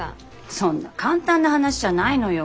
そんな簡単な話じゃないのよ。